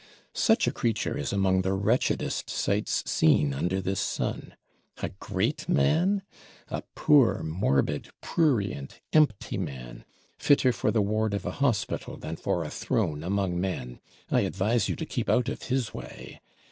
Such a creature is among the wretchedest sights seen under this sun. A great man? A poor morbid prurient empty man; fitter for the ward of a hospital than for a throne among men. I advise you to keep out of his way.